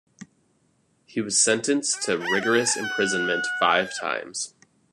He was sentenced to rigorous imprisonment five times.